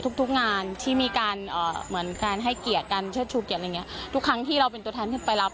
ทุกทุกงานที่มีการเหมือนการให้เกียรติกันเชิดชูเกียรติอะไรอย่างเงี้ทุกครั้งที่เราเป็นตัวแทนขึ้นไปรับ